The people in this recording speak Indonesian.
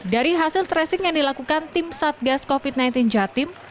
dari hasil tracing yang dilakukan tim satgas covid sembilan belas jatim